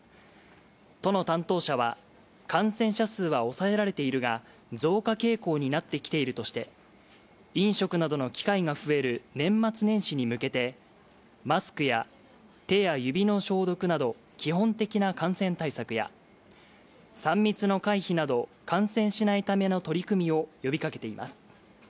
都の担当者は感染者数は抑えられているが増加傾向になってきているとして飲食などの機会が増える年末年始に向けてマスクや手や指の消毒など基本的な感染対策や３密の回避など感染しないための取り組みを呼びかけています。